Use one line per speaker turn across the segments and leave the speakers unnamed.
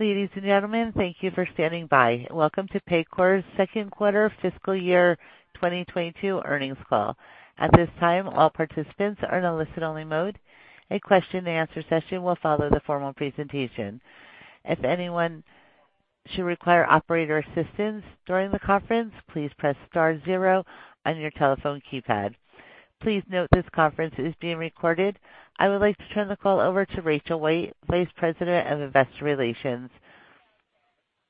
Ladies and gentlemen, thank you for standing by. Welcome to Paycor's second quarter fiscal year 2022 earnings call. At this time, all participants are in a listen-only mode. A question-and-answer session will follow the formal presentation. If anyone should require operator assistance during the conference, please press star zero on your telephone keypad. Please note this conference is being recorded. I would like to turn the call over to Rachel White, Vice President of Investor Relations.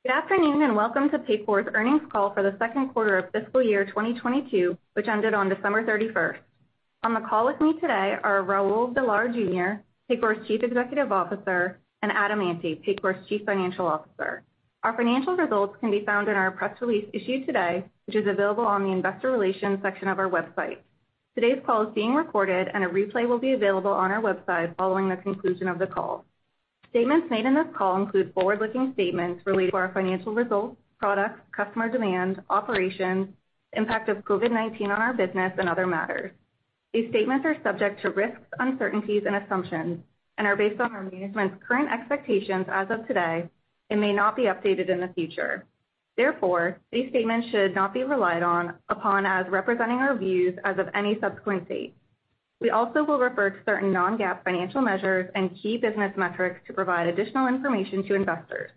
Good afternoon, and welcome to Paycor's earnings call for the second quarter of fiscal year 2022, which ended on December 31. On the call with me today are Raul Villar, Jr., Paycor's Chief Executive Officer, and Adam Ante, Paycor's Chief Financial Officer. Our financial results can be found in our press release issued today, which is available on the investor relations section of our website. Today's call is being recorded, and a replay will be available on our website following the conclusion of the call. Statements made in this call include forward-looking statements related to our financial results, products, customer demand, operations, impact of COVID-19 on our business, and other matters. These statements are subject to risks, uncertainties, and assumptions and are based on our management's current expectations as of today and may not be updated in the future. Therefore, these statements should not be relied upon as representing our views as of any subsequent date. We also will refer to certain non-GAAP financial measures and key business metrics to provide additional information to investors.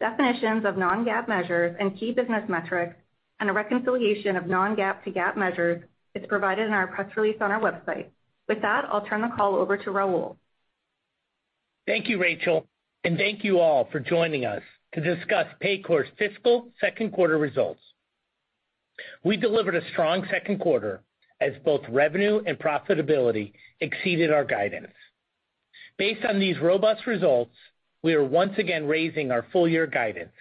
Definitions of non-GAAP measures and key business metrics and a reconciliation of non-GAAP to GAAP measures is provided in our press release on our website. With that, I'll turn the call over to Raul.
Thank you, Rachel. Thank you all for joining us to discuss Paycor's fiscal second quarter results. We delivered a strong second quarter as both revenue and profitability exceeded our guidance. Based on these robust results, we are once again raising our full year guidance,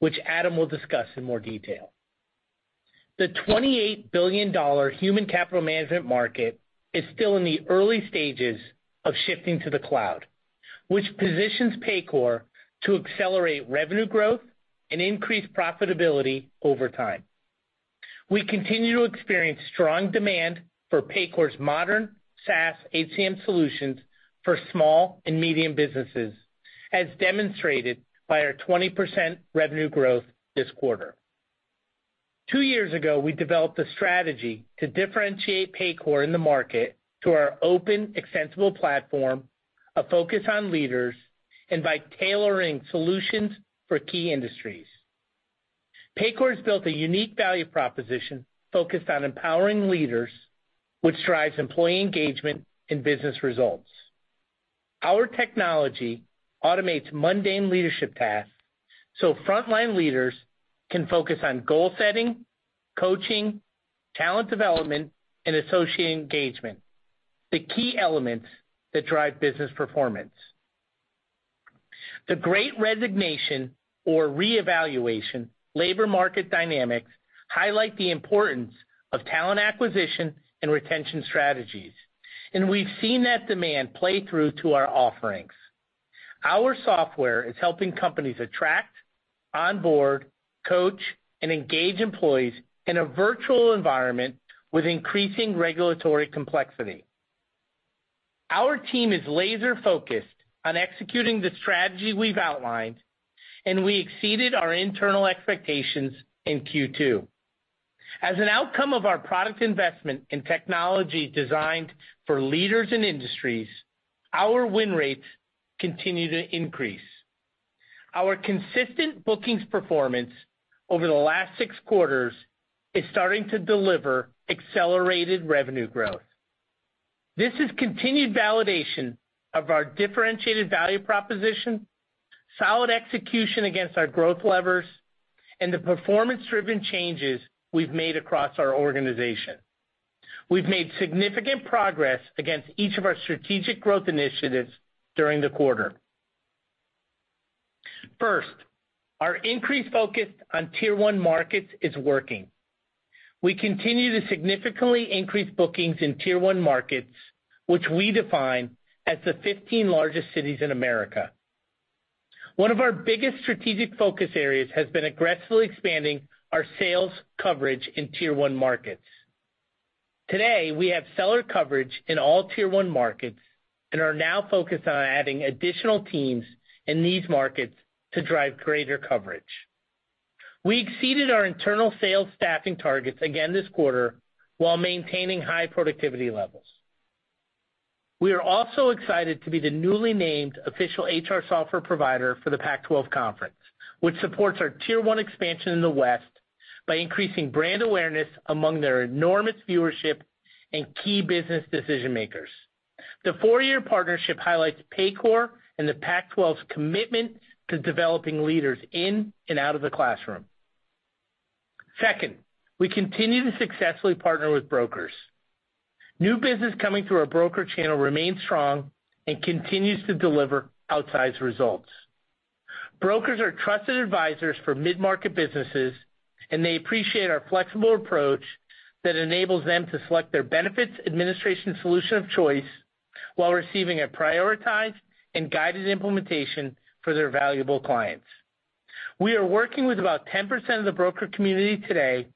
which Adam will discuss in more detail. The $28 billion human capital management market is still in the early stages of shifting to the cloud, which positions Paycor to accelerate revenue growth and increase profitability over time. We continue to experience strong demand for Paycor's modern SaaS HCM solutions for small and medium businesses, as demonstrated by our 20% revenue growth this quarter. Two years ago, we developed a strategy to differentiate Paycor in the market through our open, extensible platform, a focus on leaders, and by tailoring solutions for key industries. Paycor's built a unique value proposition focused on empowering leaders, which drives employee engagement and business results. Our technology automates mundane leadership tasks so frontline leaders can focus on goal setting, coaching, talent development, and associate engagement, the key elements that drive business performance. The great resignation or reevaluation labor market dynamics highlight the importance of talent acquisition and retention strategies, and we've seen that demand play through to our offerings. Our software is helping companies attract, onboard, coach, and engage employees in a virtual environment with increasing regulatory complexity. Our team is laser-focused on executing the strategy we've outlined, and we exceeded our internal expectations in Q2. As an outcome of our product investment in technology designed for leaders in industries, our win rates continue to increase. Our consistent bookings performance over the last six quarters is starting to deliver accelerated revenue growth. This is continued validation of our differentiated value proposition, solid execution against our growth levers, and the performance-driven changes we've made across our organization. We've made significant progress against each of our strategic growth initiatives during the quarter. First, our increased focus on Tier 1 markets is working. We continue to significantly increase bookings in Tier 1 markets, which we define as the 15 largest cities in America. One of our biggest strategic focus areas has been aggressively expanding our sales coverage in Tier 1 markets. Today, we have seller coverage in all Tier 1 markets and are now focused on adding additional teams in these markets to drive greater coverage. We exceeded our internal sales staffing targets again this quarter while maintaining high productivity levels. We are also excited to be the newly named official HR software provider for the Pac-12 Conference, which supports our Tier 1 expansion in the West by increasing brand awareness among their enormous viewership and key business decision-makers. The four-year partnership highlights Paycor and the Pac-12's commitment to developing leaders in and out of the classroom. Second, we continue to successfully partner with brokers. New business coming through our broker channel remains strong and continues to deliver outsized results. Brokers are trusted advisors for mid-market businesses, and they appreciate our flexible approach that enables them to select their benefits administration solution of choice while receiving a prioritized and guided implementation for their valuable clients. We are working with about 10% of the broker community today,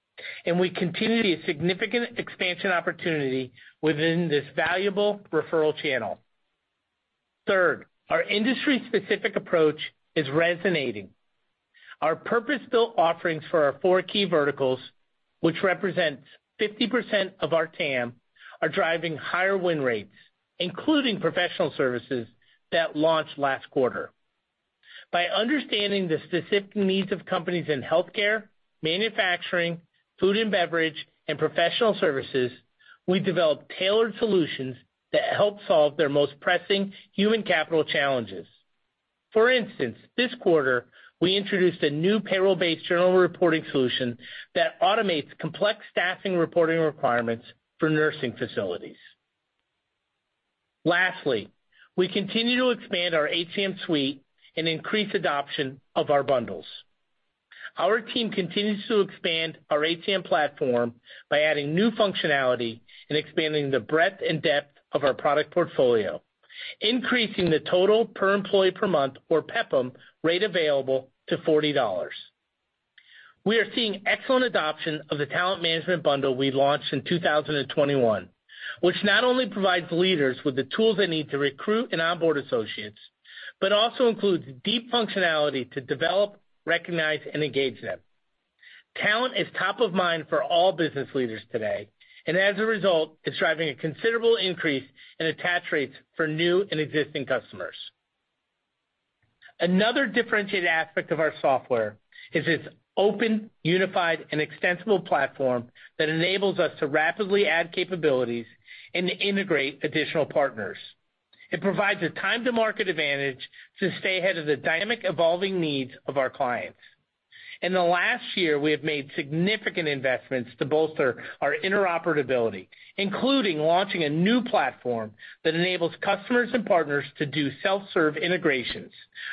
and we continue to see a significant expansion opportunity within this valuable referral channel. Third, our industry-specific approach is resonating. Our purpose-built offerings for our four key verticals, which represents 50% of our TAM, are driving higher win rates, including professional services that launched last quarter. By understanding the specific needs of companies in healthcare, manufacturing, food and beverage, and professional services, we develop tailored solutions that help solve their most pressing human capital challenges. For instance, this quarter, we introduced a new payroll-based journal reporting solution that automates complex staffing reporting requirements for nursing facilities. Lastly, we continue to expand our HCM suite and increase adoption of our bundles. Our team continues to expand our HCM platform by adding new functionality and expanding the breadth and depth of our product portfolio, increasing the total Per Employee Per Month, or PEPM, rate available to $40. We are seeing excellent adoption of the talent management bundle we launched in 2021, which not only provides leaders with the tools they need to recruit and onboard associates, but also includes deep functionality to develop, recognize, and engage them. Talent is top of mind for all business leaders today, and as a result, it's driving a considerable increase in attach rates for new and existing customers. Another differentiated aspect of our software is its open, unified, and extensible platform that enables us to rapidly add capabilities and to integrate additional partners. It provides a time-to-market advantage to stay ahead of the dynamic evolving needs of our clients. In the last year, we have made significant investments to bolster our interoperability, including launching a new platform that enables customers and partners to do self-serve integrations,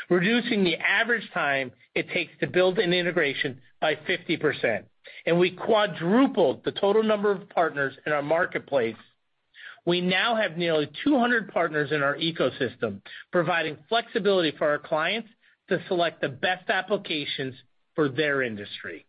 reducing the average time it takes to build an integration by 50%, and we quadrupled the total number of partners in our marketplace. We now have nearly 200 partners in our ecosystem, providing flexibility for our clients to select the best applications for their industry.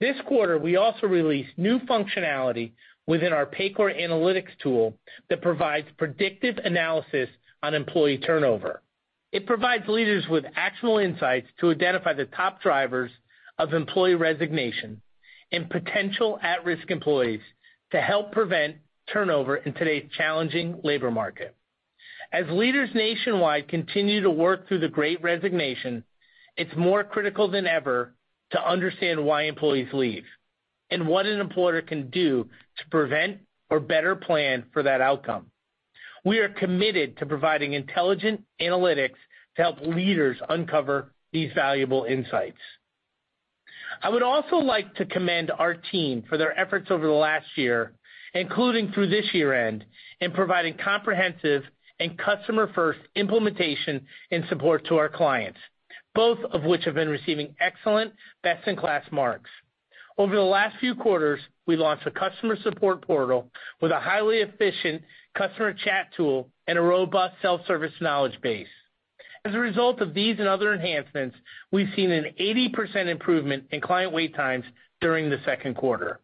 This quarter, we also released new functionality within our Paycor Analytics tool that provides predictive analysis on employee turnover. It provides leaders with actual insights to identify the top drivers of employee resignation and potential at-risk employees to help prevent turnover in today's challenging labor market. As leaders nationwide continue to work through the great resignation, it's more critical than ever to understand why employees leave and what an employer can do to prevent or better plan for that outcome. We are committed to providing intelligent analytics to help leaders uncover these valuable insights. I would also like to commend our team for their efforts over the last year, including through this year-end, in providing comprehensive and customer-first implementation and support to our clients, both of which have been receiving excellent best-in-class marks. Over the last few quarters, we launched a customer support portal with a highly efficient customer chat tool and a robust self-service knowledge base. As a result of these and other enhancements, we've seen an 80% improvement in client wait times during the second quarter.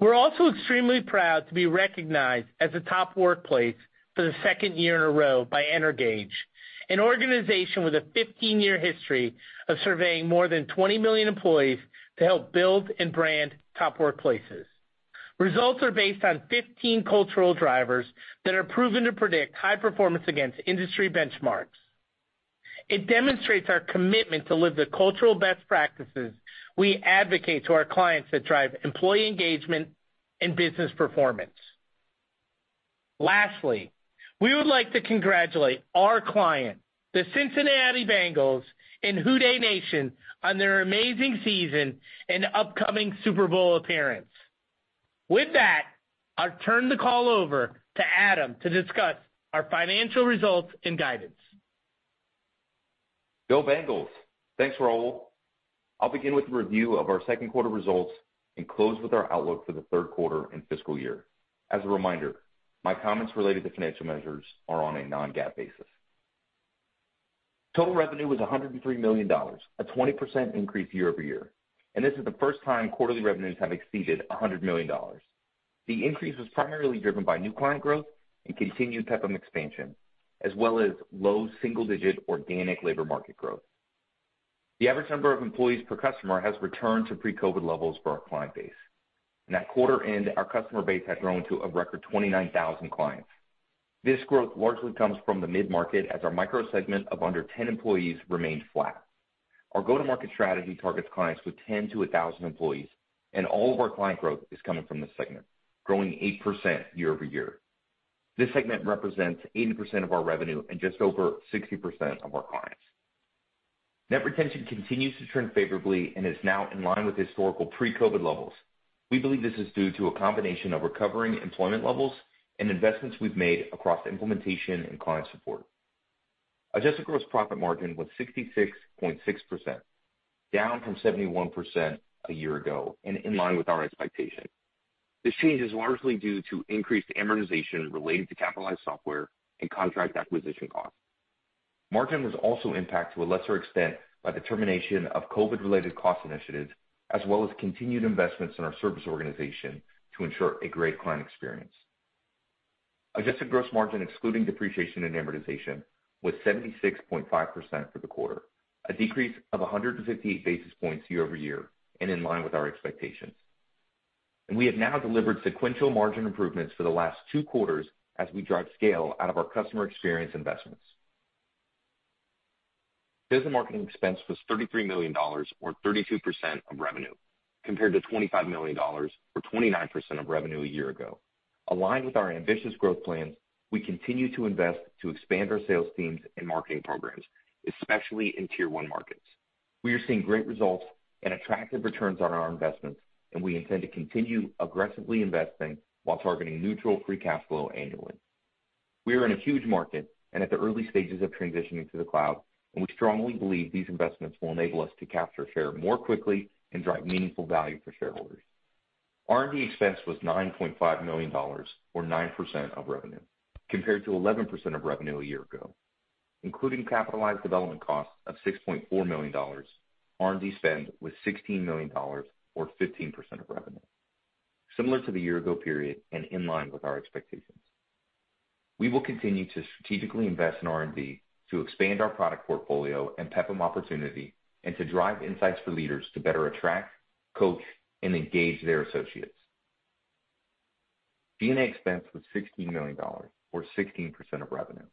We're also extremely proud to be recognized as a top workplace for the second year in a row by Energage, an organization with a 15-year history of surveying more than 20 million employees to help build and brand top workplaces. Results are based on 15 cultural drivers that are proven to predict high performance against industry benchmarks. It demonstrates our commitment to live the cultural best practices we advocate to our clients that drive employee engagement and business performance. Lastly, we would like to congratulate our client, the Cincinnati Bengals and Who Dey Nation, on their amazing season and upcoming Super Bowl appearance. With that, I'll turn the call over to Adam to discuss our financial results and guidance.
Go Bengals. Thanks, Raul. I'll begin with a review of our second quarter results and close with our outlook for the third quarter and fiscal year. As a reminder, my comments related to financial measures are on a non-GAAP basis. Total revenue was $103 million, a 20% increase year-over-year, and this is the first time quarterly revenues have exceeded $100 million. The increase was primarily driven by new client growth and continued PEPM expansion, as well as low single-digit organic labor market growth. The average number of employees per customer has returned to pre-COVID levels for our client base. At quarter end, our customer base had grown to a record 29,000 clients. This growth largely comes from the mid-market, as our micro segment of under 10 employees remained flat. Our go-to-market strategy targets clients with 10-1,000 employees, and all of our client growth is coming from this segment, growing 8% year-over-year. This segment represents 80% of our revenue and just over 60% of our clients. Net retention continues to trend favorably and is now in line with historical pre-COVID levels. We believe this is due to a combination of recovering employment levels and investments we've made across implementation and client support. Adjusted gross profit margin was 66.6%, down from 71% a year ago and in line with our expectation. This change is largely due to increased amortization related to capitalized software and contract acquisition costs. Margin was also impacted to a lesser extent by the termination of COVID-related cost initiatives, as well as continued investments in our service organization to ensure a great client experience. Adjusted gross margin excluding depreciation and amortization was 76.5% for the quarter, a decrease of 158 basis points year-over-year and in line with our expectations. We have now delivered sequential margin improvements for the last two quarters as we drive scale out of our customer experience investments. Sales and marketing expense was $33 million, or 32% of revenue, compared to $25 million, or 29% of revenue a year ago. Aligned with our ambitious growth plans, we continue to invest to expand our sales teams and marketing programs, especially in Tier 1 markets. We are seeing great results and attractive returns on our investments, and we intend to continue aggressively investing while targeting neutral free cash flow annually. We are in a huge market and at the early stages of transitioning to the cloud, and we strongly believe these investments will enable us to capture share more quickly and drive meaningful value for shareholders. R&D expense was $9.5 million, or 9% of revenue, compared to 11% of revenue a year ago. Including capitalized development costs of $6.4 million, R&D spend was $16 million, or 15% of revenue, similar to the year ago period and in line with our expectations. We will continue to strategically invest in R&D to expand our product portfolio and PEPM opportunity and to drive insights for leaders to better attract, coach, and engage their associates. G&A expense was $16 million, or 16% of revenue,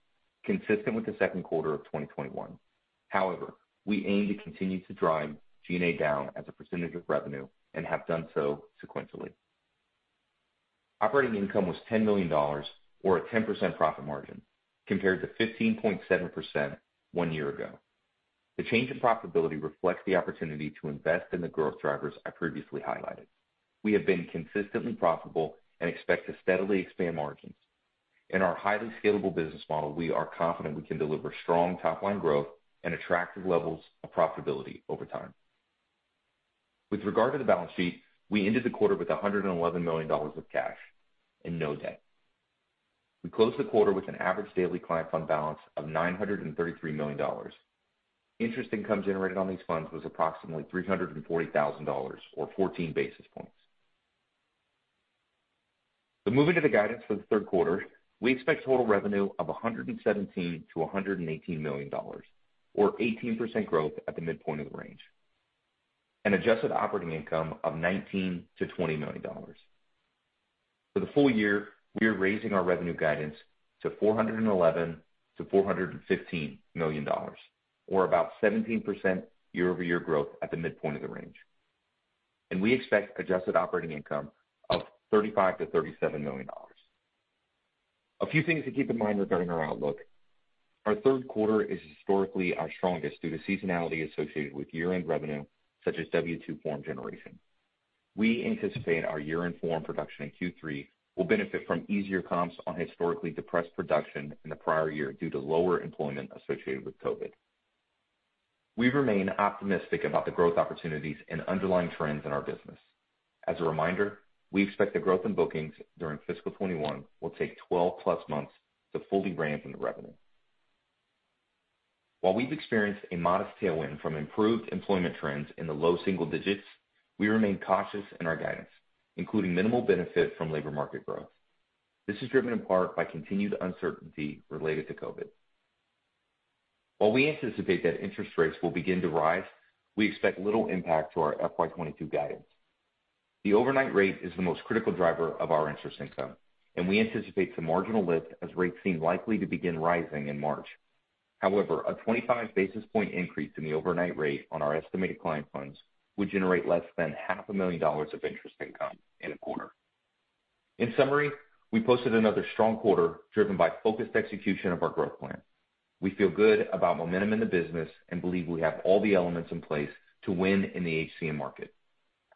consistent with the second quarter of 2021. However, we aim to continue to drive G&A down as a percentage of revenue and have done so sequentially. Operating income was $10 million, or a 10% profit margin, compared to 15.7% one year ago. The change in profitability reflects the opportunity to invest in the growth drivers I previously highlighted. We have been consistently profitable and expect to steadily expand margins. In our highly scalable business model, we are confident we can deliver strong top-line growth and attractive levels of profitability over time. With regard to the balance sheet, we ended the quarter with $111 million of cash and no debt. We closed the quarter with an average daily client fund balance of $933 million. Interest income generated on these funds was approximately $340,000, or 14 basis points. Moving to the guidance for the third quarter, we expect total revenue of $117 million-$118 million, or 18% growth at the midpoint of the range, and adjusted operating income of $19 million-$20 million. For the full year, we are raising our revenue guidance to $411 million-$415 million, or about 17% year-over-year growth at the midpoint of the range. We expect adjusted operating income of $35 million-$37 million. A few things to keep in mind regarding our outlook. Our third quarter is historically our strongest due to seasonality associated with year-end revenue, such as W-2 form generation. We anticipate our year-end form production in Q3 will benefit from easier comps on historically depressed production in the prior year due to lower employment associated with COVID. We remain optimistic about the growth opportunities and underlying trends in our business. As a reminder, we expect the growth in bookings during FY 2021 will take 12+ months to fully ramp in the revenue. While we've experienced a modest tailwind from improved employment trends in the low single digits, we remain cautious in our guidance, including minimal benefit from labor market growth. This is driven in part by continued uncertainty related to COVID. While we anticipate that interest rates will begin to rise, we expect little impact to our FY 2022 guidance. The overnight rate is the most critical driver of our interest income, and we anticipate some marginal lift as rates seem likely to begin rising in March. However, a 25 basis point increase in the overnight rate on our estimated client funds would generate less than half a million dollars of interest income in a quarter. In summary, we posted another strong quarter driven by focused execution of our growth plan. We feel good about momentum in the business and believe we have all the elements in place to win in the HCM market.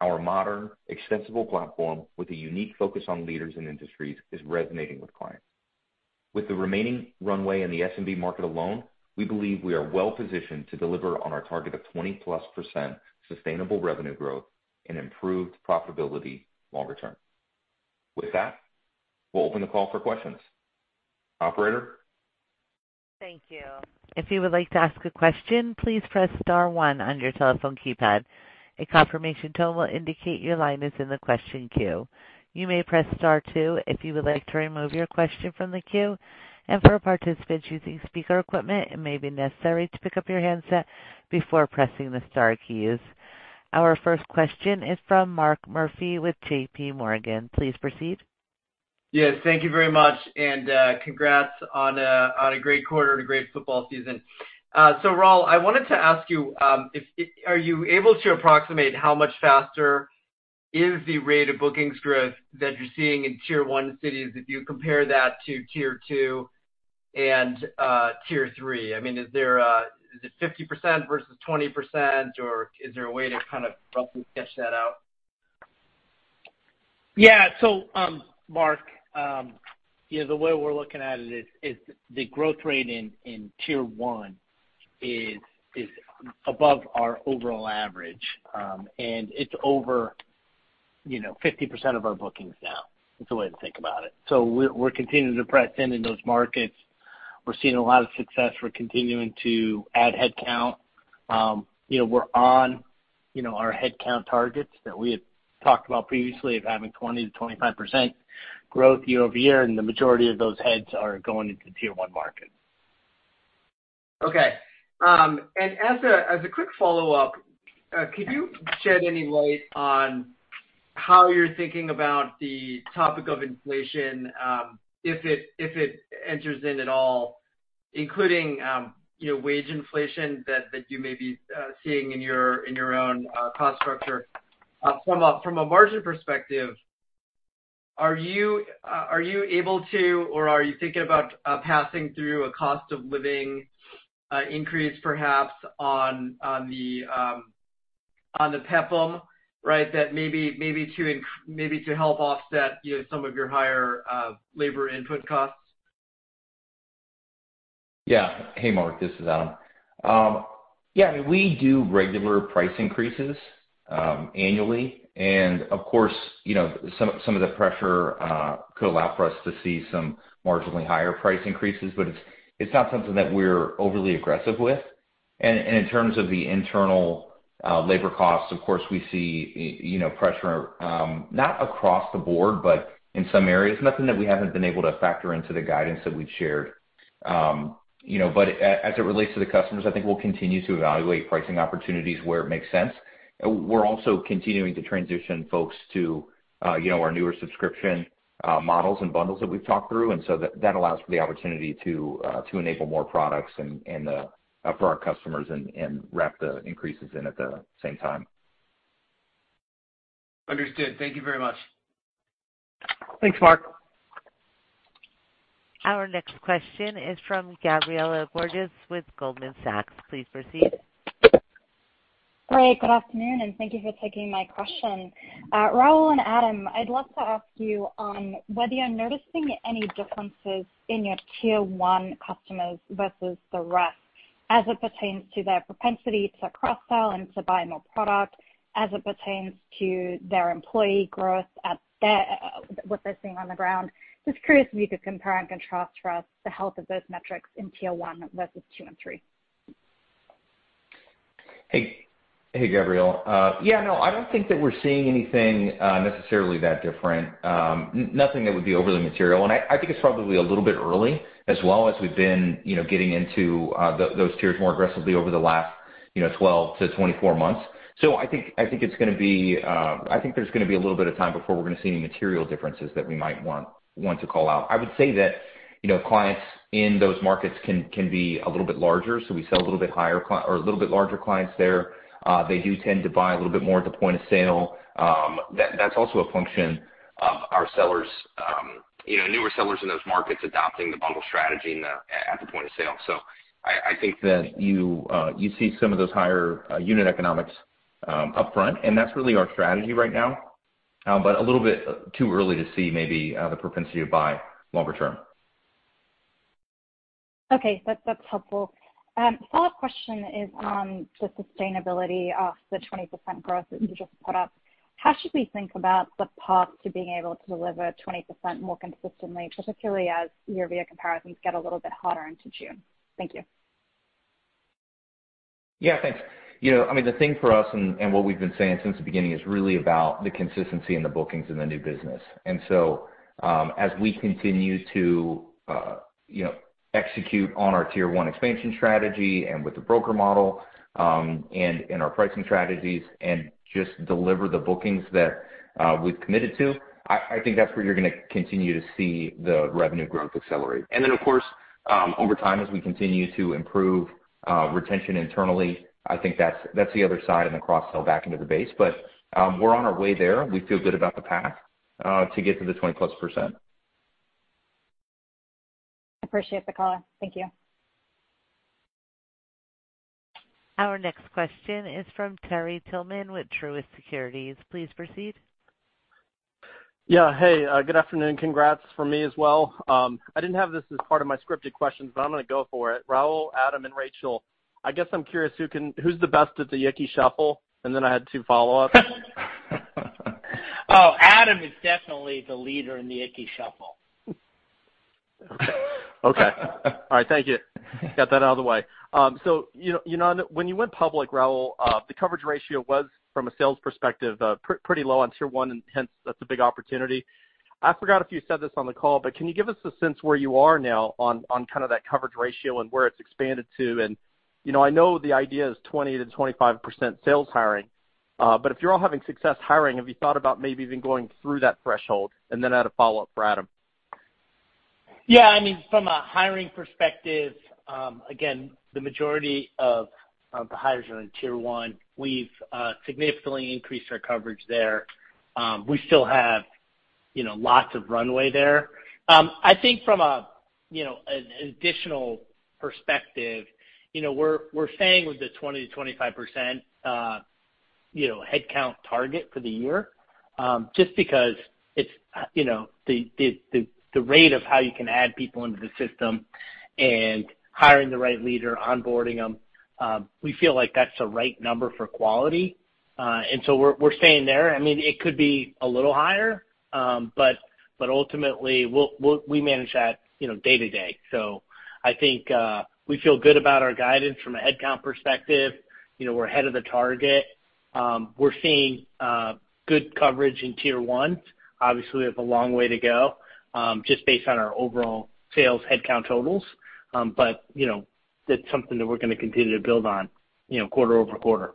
Our modern, extensible platform with a unique focus on leaders in industries is resonating with clients. With the remaining runway in the SMB market alone, we believe we are well positioned to deliver on our target of 20%+ sustainable revenue growth and improved profitability longer term. With that, we'll open the call for questions. Operator?
Thank you. If you would like to ask a question, please press star one on your telephone keypad. A confirmation tone will indicate your line is in the question queue. You may press star two if you would like to remove your question from the queue. For participants using speaker equipment, it may be necessary to pick up your handset before pressing the star keys. Our first question is from Mark Murphy with JPMorgan. Please proceed.
Yes, thank you very much, and congrats on a great quarter and a great football season. Raul, I wanted to ask you, if are you able to approximate how much faster is the rate of bookings growth that you're seeing in Tier 1 cities if you compare that to tier two and tier three? I mean, is it 50% versus 20%, or is there a way to kind of roughly sketch that out?
Yeah. Mark,
Yeah, the way we're looking at it is the growth rate in Tier 1 is above our overall average, and it's over, you know, 50% of our bookings now. It's a way to think about it. We're continuing to press in those markets. We're seeing a lot of success. We're continuing to add headcount. You know, we're on our headcount targets that we had talked about previously of having 20%-25% growth year over year, and the majority of those heads are going into Tier 1 markets.
Okay. As a quick follow-up, could you shed any light on how you're thinking about the topic of inflation, if it enters in at all, including, you know, wage inflation that you may be seeing in your own cost structure? From a margin perspective, are you able to, or are you thinking about passing through a cost of living increase, perhaps on the PEPM, right? That maybe to help offset, you know, some of your higher labor input costs.
Yeah. Hey, Mark, this is Adam. Yeah, I mean, we do regular price increases annually. Of course, you know, some of the pressure could allow for us to see some marginally higher price increases, but it's not something that we're overly aggressive with. In terms of the internal labor costs, of course, we see you know, pressure not across the board, but in some areas, nothing that we haven't been able to factor into the guidance that we've shared. You know, as it relates to the customers, I think we'll continue to evaluate pricing opportunities where it makes sense. We're also continuing to transition folks to you know, our newer subscription models and bundles that we've talked through. That allows for the opportunity to enable more products and for our customers and wrap the increases in at the same time.
Understood. Thank you very much.
Thanks, Mark.
Our next question is from Gabriela Borges with Goldman Sachs. Please proceed.
Hi, good afternoon, and thank you for taking my question. Raul and Adam, I'd love to ask you on whether you're noticing any differences in your Tier 1 customers versus the rest as it pertains to their propensity to cross-sell and to buy more product, as it pertains to their employee growth, what they're seeing on the ground. Just curious if you could compare and contrast for us the health of those metrics in Tier 1 versus two and three.
Hey, Gabriela. Yeah, no, I don't think that we're seeing anything necessarily that different. Nothing that would be overly material, and I think it's probably a little bit early as well as we've been, you know, getting into those tiers more aggressively over the last, you know, 12-24 months. I think it's gonna be, I think there's gonna be a little bit of time before we're gonna see any material differences that we might want to call out. I would say that, you know, clients in those markets can be a little bit larger, so we sell a little bit higher or a little bit larger clients there. They do tend to buy a little bit more at the point of sale. That's also a function of our sellers, you know, newer sellers in those markets adopting the bundle strategy at the point of sale. I think that you see some of those higher unit economics upfront, and that's really our strategy right now, but a little bit too early to see maybe the propensity to buy longer term.
Okay. That's helpful. Follow-up question is on the sustainability of the 20% growth that you just put up. How should we think about the path to being able to deliver 20% more consistently, particularly as year-over-year comparisons get a little bit harder into June? Thank you.
Yeah. Thanks. You know, I mean, the thing for us and what we've been saying since the beginning is really about the consistency in the bookings in the new business. As we continue to you know execute on our Tier 1 expansion strategy and with the broker model and in our pricing strategies and just deliver the bookings that we've committed to, I think that's where you're gonna continue to see the revenue growth accelerate. Of course, over time, as we continue to improve retention internally, I think that's the other side and the cross-sell back into the base. We're on our way there. We feel good about the path to get to the 20%+.
Appreciate the color. Thank you.
Our next question is from Terry Tillman with Truist Securities. Please proceed.
Yeah. Hey, good afternoon. Congrats from me as well. I didn't have this as part of my scripted questions, but I'm gonna go for it. Raul, Adam, and Rachel, I guess I'm curious, who's the best at the Ickey Shuffle? I had two follow-ups.
Oh, Adam is definitely the leader in the Ickey Shuffle.
Okay. All right. Thank you. Got that out of the way. You know, when you went public, Raul, the coverage ratio was, from a sales perspective, pretty low on Tier 1, and hence that's a big opportunity. I forgot if you said this on the call, but can you give us a sense where you are now on kind of that coverage ratio and where it's expanded to? You know, I know the idea is 20-25% sales hiring, but if you're all having success hiring, have you thought about maybe even going through that threshold? Then I had a follow-up for Adam.
Yeah. I mean, from a hiring perspective, again, the majority of the hires are in Tier 1. We've significantly increased our coverage there. We still have, you know, lots of runway there. I think from a, you know, an additional perspective, you know, we're saying with the 20%-25% headcount target for the year, just because it's, you know, the rate of how you can add people into the system and hiring the right leader, onboarding them, we feel like that's the right number for quality. We're staying there. I mean, it could be a little higher, but ultimately, we manage that, you know, day to day. I think we feel good about our guidance from a headcount perspective. You know, we're ahead of the target. We're seeing good coverage in Tier 1. Obviously, we have a long way to go, just based on our overall sales headcount totals. You know, that's something that we're gonna continue to build on, you know, quarter-over-quarter.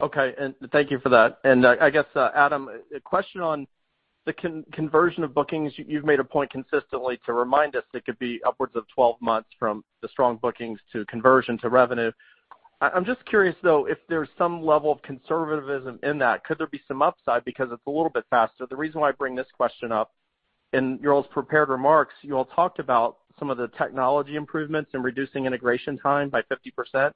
Okay. Thank you for that. I guess, Adam, a question on the conversion of bookings. You've made a point consistently to remind us it could be upwards of 12 months from the strong bookings to conversion to revenue. I'm just curious, though, if there's some level of conservatism in that. Could there be some upside because it's a little bit faster? The reason why I bring this question up, in your all's prepared remarks, you all talked about some of the technology improvements in reducing integration time by 50%.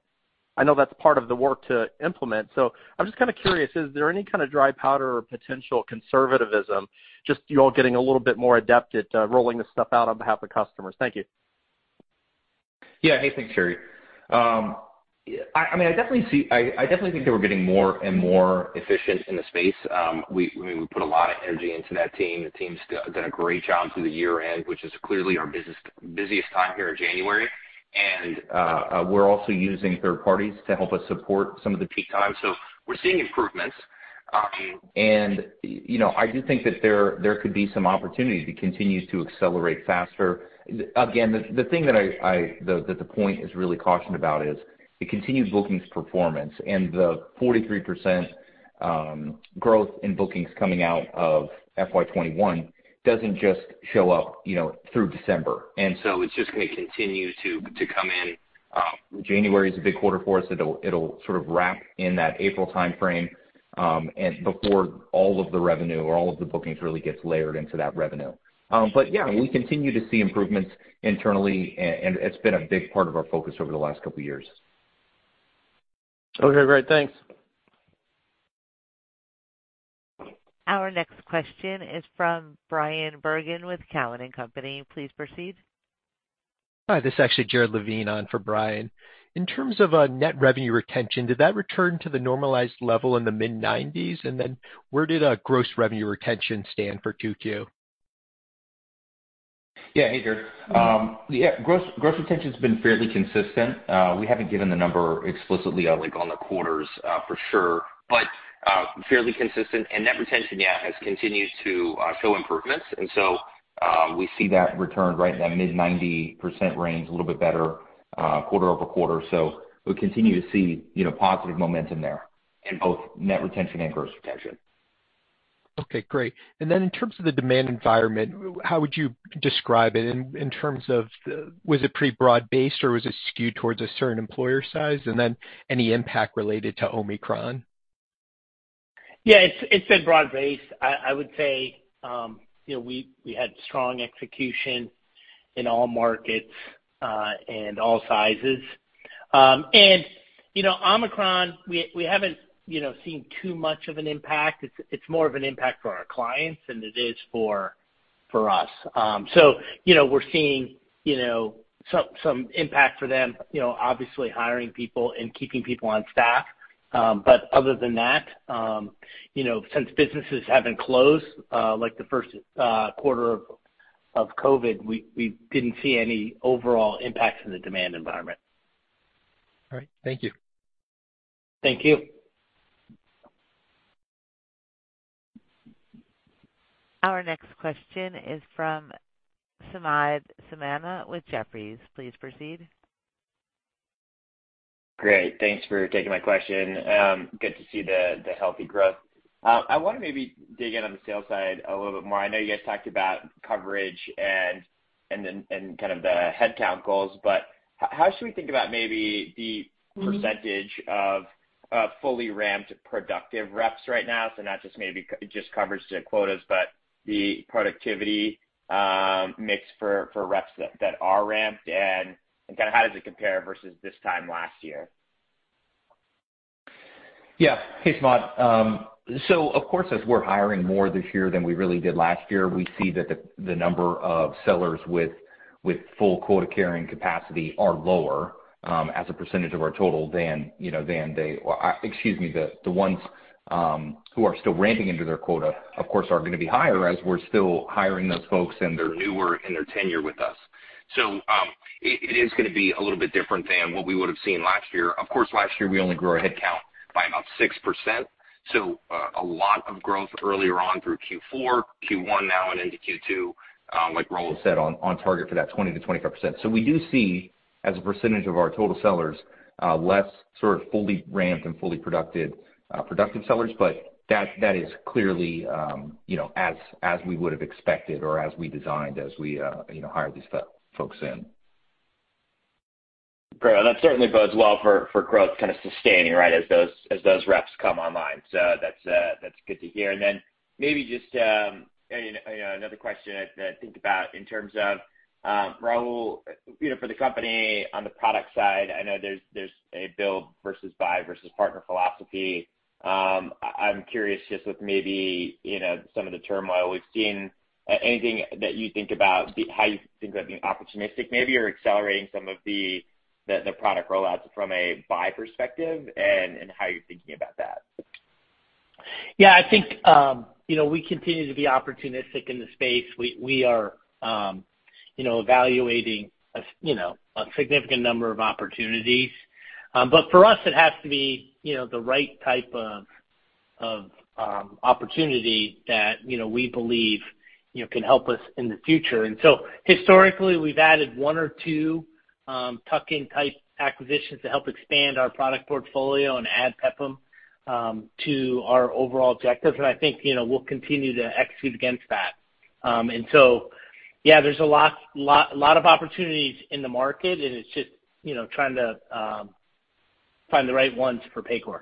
I know that's part of the work to implement. I'm just kinda curious, is there any kinda dry powder or potential conservatism, just you all getting a little bit more adept at rolling this stuff out on behalf of customers? Thank you.
Yeah. Hey, thanks, Terry Tillman. I mean, I definitely think that we're getting more and more efficient in the space. We put a lot of energy into that team. The team's done a great job through the year-end, which is clearly our busiest time here in January. We're also using third parties to help us support some of the peak times. So we're seeing improvements. You know, I do think that there could be some opportunity to continue to accelerate faster. Again, the point is really cautioned about is the continued bookings performance and the 43% growth in bookings coming out of FY 2021 doesn't just show up, you know, through December. It's just gonna continue to come in. January is a big quarter for us. It'll sort of wrap in that April timeframe, and before all of the revenue or all of the bookings really gets layered into that revenue. But yeah, we continue to see improvements internally, and it's been a big part of our focus over the last couple years.
Okay, great. Thanks.
Our next question is from Bryan Bergin with TD Cowen. Please proceed.
Hi, this is actually Jared Levine on for Brian. In terms of net revenue retention, did that return to the normalized level in the mid-90s%? Where did gross revenue retention stand for 2Q?
Yeah. Hey, Jared. Yeah, gross retention's been fairly consistent. We haven't given the number explicitly, like, on the quarters, for sure, but fairly consistent. Net retention, yeah, has continued to show improvements. We see that return right in that mid-90% range, a little bit better, quarter-over-quarter. We continue to see, you know, positive momentum there in both net retention and gross retention.
Okay, great. In terms of the demand environment, how would you describe it in terms of the, was it pretty broad-based, or was it skewed towards a certain employer size? Any impact related to Omicron?
Yeah, it's been broad-based. I would say, you know, we had strong execution in all markets and all sizes. You know, Omicron, we haven't, you know, seen too much of an impact. It's more of an impact for our clients than it is for us. You know, we're seeing, you know, some impact for them, you know, obviously hiring people and keeping people on staff. Other than that, you know, since businesses haven't closed like the first quarter of COVID, we didn't see any overall impacts in the demand environment.
All right. Thank you.
Thank you.
Our next question is from Samad Samana with Jefferies. Please proceed.
Great. Thanks for taking my question. Good to see the healthy growth. I wanna maybe dig in on the sales side a little bit more. I know you guys talked about coverage and kind of the headcount goals, but how should we think about maybe the percentage of fully ramped productive reps right now? So not just maybe just coverage to quotas, but the productivity mix for reps that are ramped, and kinda how does it compare versus this time last year?
Yeah. Hey, Samad. Of course, as we're hiring more this year than we really did last year, we see that the number of sellers with full quota-carrying capacity are lower, as a percentage of our total than, you know, than they. Excuse me. The ones who are still ramping into their quota, of course, are gonna be higher as we're still hiring those folks and they're newer in their tenure with us. It is gonna be a little bit different than what we would have seen last year. Of course, last year, we only grew our headcount by about 6%, a lot of growth earlier on through Q4, Q1 now and into Q2, like Raul said, on target for that 20%-25%. We do see, as a percentage of our total sellers, less sort of fully ramped and fully productive sellers, but that is clearly, you know, as we would have expected or as we designed as we, you know, hired these folks in.
Great. That certainly bodes well for growth kinda sustaining, right, as those reps come online. That's good to hear. Then maybe just another question I think about in terms of Raul, you know, for the company. On the product side, I know there's a build versus buy versus partner philosophy. I'm curious just with maybe, you know, some of the turmoil we've seen, anything that you think about how you think about being opportunistic maybe, or accelerating some of the product rollouts from a buy perspective and how you're thinking about that.
Yeah. I think you know, we continue to be opportunistic in the space. We are you know, evaluating a significant number of opportunities. But for us, it has to be you know, the right type of opportunity that you know, we believe you know, can help us in the future. Historically, we've added one or two tuck-in type acquisitions to help expand our product portfolio and add PEPM to our overall objectives. I think you know, we'll continue to execute against that. Yeah, there's a lot of opportunities in the market, and it's just you know, trying to find the right ones for Paycor.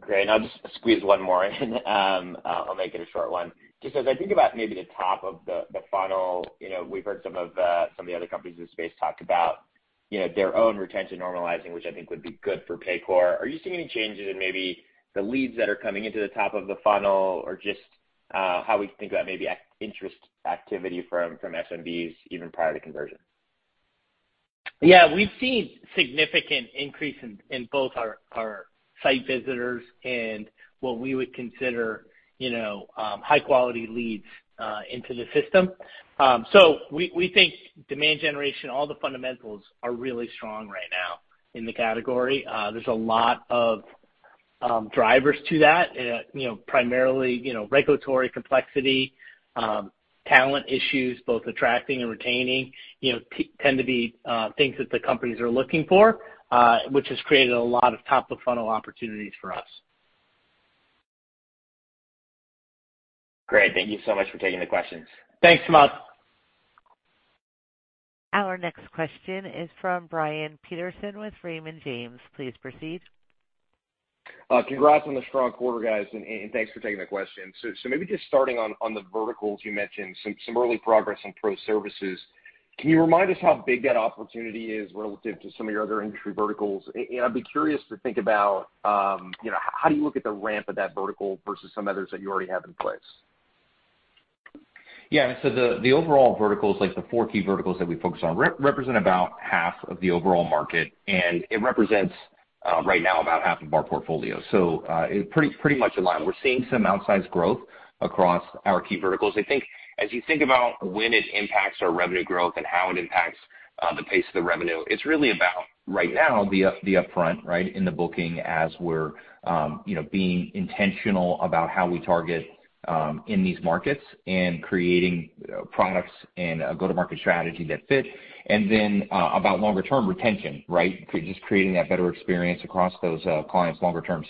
Great. I'll just squeeze one more in. I'll make it a short one. Just as I think about maybe the top of the funnel, you know, we've heard some of the other companies in the space talk about, you know, their own retention normalizing, which I think would be good for Paycor. Are you seeing any changes in maybe the leads that are coming into the top of the funnel, or just how we think about maybe interest activity from SMBs even prior to conversion?
Yeah. We've seen significant increase in both our site visitors and what we would consider, you know, high quality leads into the system. We think demand generation, all the fundamentals are really strong right now in the category. There's a lot of drivers to that, you know, primarily, you know, regulatory complexity, talent issues, both attracting and retaining, you know, tend to be things that the companies are looking for, which has created a lot of top-of-funnel opportunities for us.
Great. Thank you so much for taking the questions.
Thanks, Samad Samana.
Our next question is from Brian Peterson with Raymond James. Please proceed.
Congrats on the strong quarter, guys, and thanks for taking the question. Maybe just starting on the verticals, you mentioned some early progress on pro services. Can you remind us how big that opportunity is relative to some of your other industry verticals? I'd be curious to think about, you know, how do you look at the ramp of that vertical versus some others that you already have in place?
Yeah. The overall verticals, like the four key verticals that we focus on, represent about half of the overall market, and it represents right now about half of our portfolio. It pretty much in line. We're seeing some outsized growth across our key verticals. I think as you think about when it impacts our revenue growth and how it impacts the pace of the revenue, it's really about right now the upfront, right, in the booking as we're being intentional about how we target in these markets and creating products and a go-to-market strategy that fit. About longer term retention, right? Just creating that better experience across those clients longer term.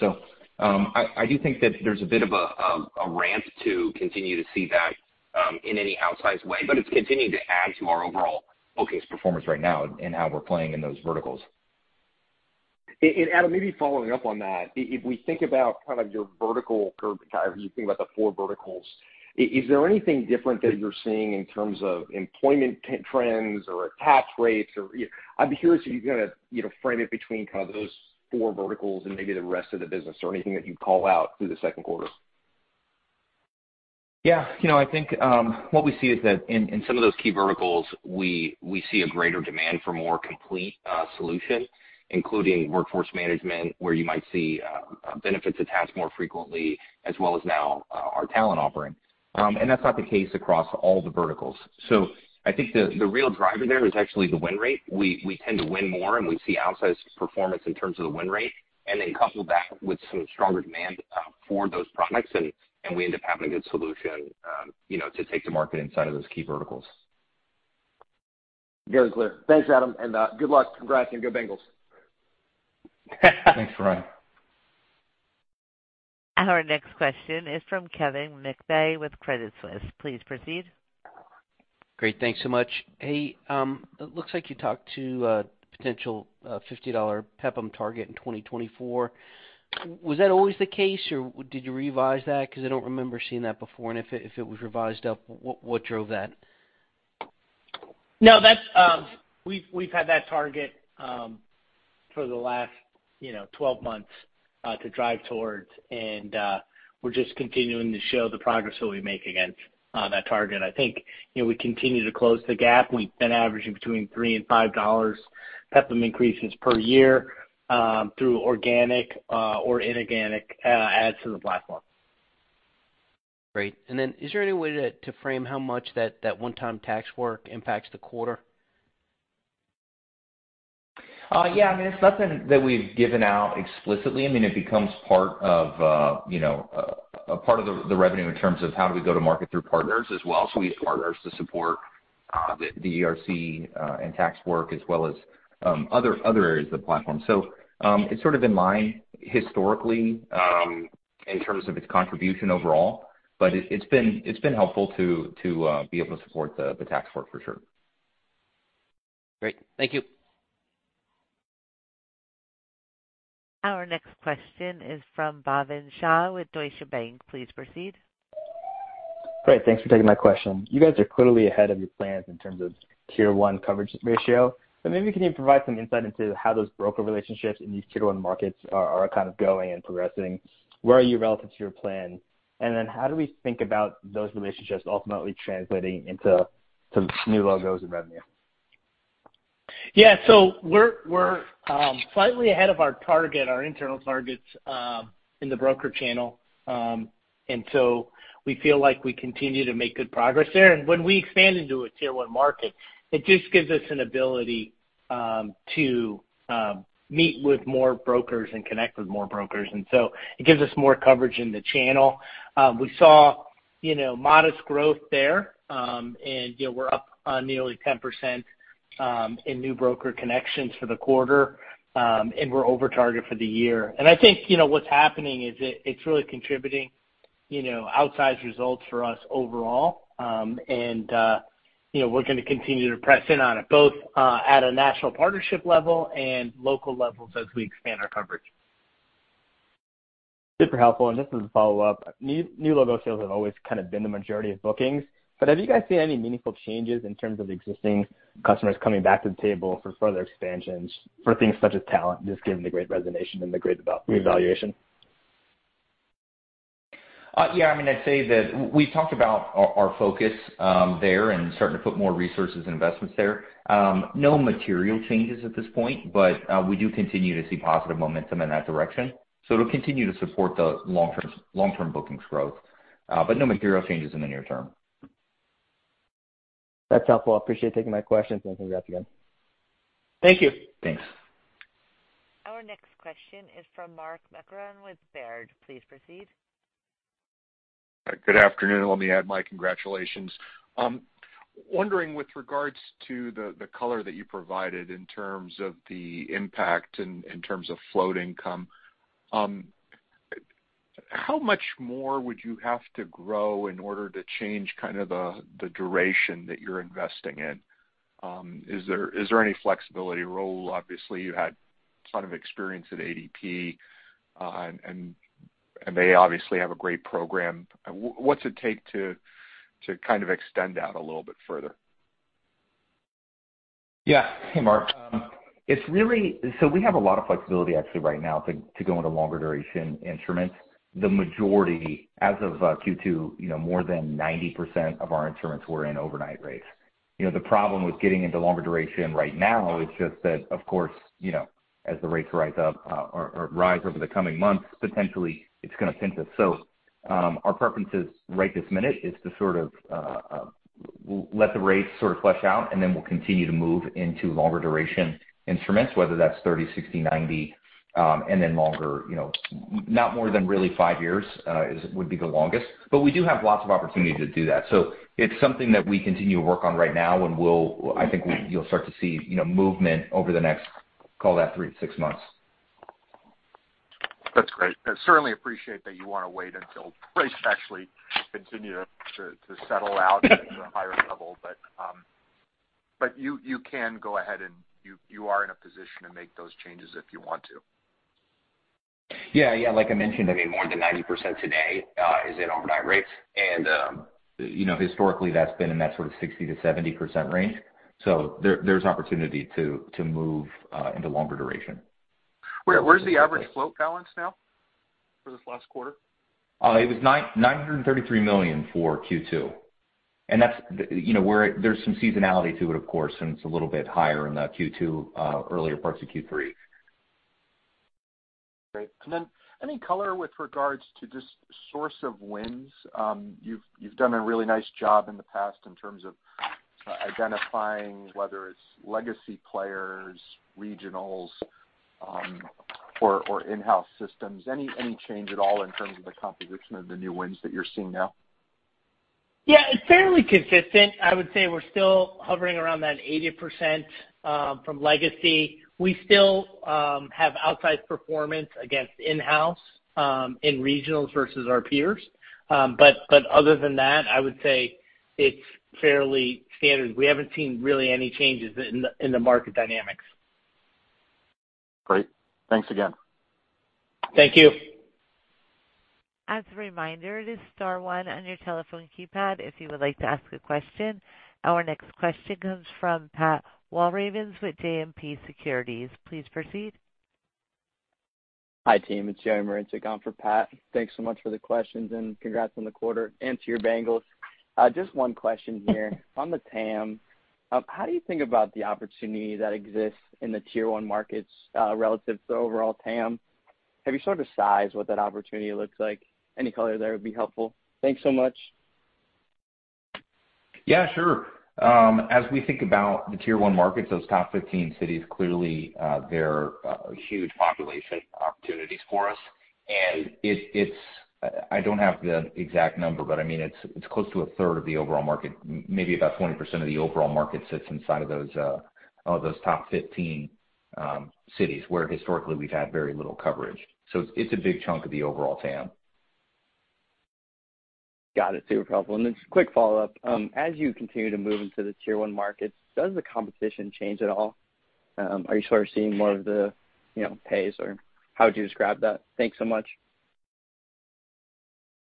I do think that there's a bit of a ramp to continue to see that in any outsized way, but it's continuing to add to our overall bookings performance right now and how we're playing in those verticals.
Adam, maybe following up on that. If we think about kind of your vertical or you think about the four verticals, is there anything different that you're seeing in terms of employment trends or attach rates or I'd be curious if you can, you know, frame it between kind of those four verticals and maybe the rest of the business or anything that you'd call out through the second quarter.
Yeah. You know, I think what we see is that in some of those key verticals, we see a greater demand for more complete solution, including workforce management, where you might see benefits attached more frequently, as well as now our talent offering. That's not the case across all the verticals. I think the real driver there is actually the win rate. We tend to win more, and we see outsized performance in terms of the win rate, and then couple that with some stronger demand for those products and we end up having a good solution, you know, to take to market inside of those key verticals.
Very clear. Thanks, Adam, and good luck. Congrats and go Bengals.
Our next question is from Kevin McVeigh with Credit Suisse. Please proceed.
Great. Thanks so much. Hey, it looks like you talked to a potential $50 PEPM target in 2024. Was that always the case, or did you revise that? Because I don't remember seeing that before. If it was revised up, what drove that?
No, that's. We've had that target for the last 12 months, you know, to drive towards, and we're just continuing to show the progress that we make against that target. I think, you know, we continue to close the gap. We've been averaging between $3 and $5 PEPM increases per year through organic or inorganic adds to the platform.
Great. Is there any way to frame how much that one-time tax work impacts the quarter?
Yeah. I mean, it's nothing that we've given out explicitly. I mean, it becomes part of a part of the revenue in terms of how do we go to market through partners as well. We have partners to support the ERC and tax work as well as other areas of the platform. It's sort of in line historically in terms of its contribution overall, but it's been helpful to be able to support the tax work for sure.
Great. Thank you.
Our next question is from Bhavin Shah with Deutsche Bank. Please proceed.
Great. Thanks for taking my question. You guys are clearly ahead of your plans in terms of Tier 1 coverage ratio, but maybe can you provide some insight into how those broker relationships in these Tier 1 markets are kind of going and progressing? Where are you relative to your plan? How do we think about those relationships ultimately translating into some new logos and revenue?
We're slightly ahead of our target, our internal targets, in the broker channel. We feel like we continue to make good progress there. When we expand into a Tier 1 market, it just gives us an ability to meet with more brokers and connect with more brokers. It gives us more coverage in the channel. We saw, you know, modest growth there. You know, we're up on nearly 10% in new broker connections for the quarter, and we're over target for the year. I think, you know, what's happening is it's really contributing, you know, outsized results for us overall. You know, we're gonna continue to press in on it, both at a national partnership level and local levels as we expand our coverage.
Super helpful. Just as a follow-up, new logo sales have always kind of been the majority of bookings, but have you guys seen any meaningful changes in terms of existing customers coming back to the table for further expansions for things such as talent, just given the great resignation and the great revaluation?
Yeah, I mean, I'd say that we've talked about our focus there and starting to put more resources and investments there. No material changes at this point, but we do continue to see positive momentum in that direction. It'll continue to support the long-term bookings growth, but no material changes in the near term.
That's helpful. I appreciate you taking my questions, and congrats again.
Thank you.
Thanks.
Our next question is from Mark Marcon with Baird. Please proceed.
Good afternoon. Let me add my congratulations. Wondering with regards to the color that you provided in terms of the impact in terms of float income, how much more would you have to grow in order to change kind of the duration that you're investing in? Is there any flexibility, Raul? Obviously you had a ton of experience at ADP, and they obviously have a great program. What's it take to kind of extend out a little bit further?
Hey, Mark. We have a lot of flexibility actually right now to go into longer duration instruments. The majority as of Q2 more than 90% of our instruments were in overnight rates. The problem with getting into longer duration right now is just that of course as the rates rise up or rise over the coming months, potentially it's gonna pinch us. Our preference right this minute is to sort of let the rates sort of flush out, and then we'll continue to move into longer duration instruments, whether that's 30, 60, 90 and then longer. Not more than really five years would be the longest. But we do have lots of opportunity to do that. It's something that we continue to work on right now, and I think you'll start to see, you know, movement over the next, call that three-six months.
That's great. I certainly appreciate that you wanna wait until rates actually continue to settle out to a higher level. You can go ahead and you are in a position to make those changes if you want to.
Yeah. Like I mentioned, I mean, more than 90% today is in overnight rates. You know, historically, that's been in that sort of 60%-70% range. There's opportunity to move into longer duration.
Where's the average float balance now for this last quarter?
It was $933 million for Q2. That's, you know, there's some seasonality to it, of course, and it's a little bit higher in Q2, earlier parts of Q3.
Great. Any color with regards to just source of wins? You've done a really nice job in the past in terms of identifying whether it's legacy players, regionals, or in-house systems. Any change at all in terms of the composition of the new wins that you're seeing now?
Yeah. It's fairly consistent. I would say we're still hovering around that 80%, from legacy. We still have outsized performance against in-house, in regionals versus our peers. Other than that, I would say it's fairly standard. We haven't seen really any changes in the market dynamics.
Great. Thanks again.
Thank you.
As a reminder, it is star one on your telephone keypad if you would like to ask a question. Our next question comes from Patrick Walravens with JMP Securities. Please proceed.
Hi, team. It's Joey Marincek on for Pat. Thanks so much for the questions and congrats on the quarter and to your Bengals. Just one question here. On the TAM, how do you think about the opportunity that exists in the Tier 1 markets, relative to overall TAM? Have you sort of sized what that opportunity looks like? Any color there would be helpful. Thanks so much.
Yeah, sure. As we think about the Tier 1 markets, those top 15 cities, clearly, they're a huge population opportunities for us. I don't have the exact number, but I mean, it's close to 1/3 of the overall market. Maybe about 20% of the overall market sits inside of those top 15 cities, where historically we've had very little coverage. It's a big chunk of the overall TAM.
Got it. Super helpful. Just a quick follow-up. As you continue to move into the Tier 1 markets, does the competition change at all? Are you sort of seeing more of the, you know, Paychex or how would you describe that? Thanks so much.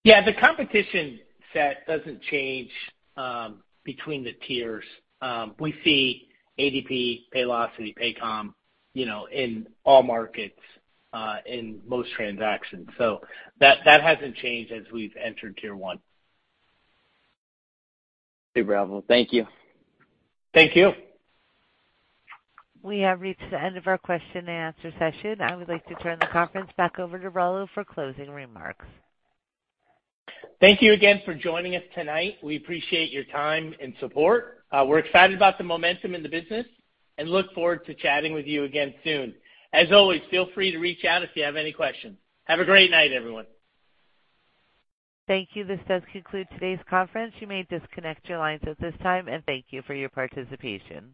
Yeah, the competition set doesn't change between the tiers. We see ADP, Paylocity, Paycom, you know, in all markets, in most transactions. That hasn't changed as we've entered Tier 1.
Super helpful. Thank you.
Thank you.
We have reached the end of our question and answer session. I would like to turn the conference back over to Raul Villar, Jr. for closing remarks.
Thank you again for joining us tonight. We appreciate your time and support. We're excited about the momentum in the business and look forward to chatting with you again soon. As always, feel free to reach out if you have any questions. Have a great night, everyone.
Thank you. This does conclude today's conference. You may disconnect your lines at this time, and thank you for your participation.